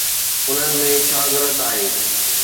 انهن ۾ ڇا غلط آهي؟